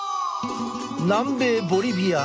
南米ボリビア。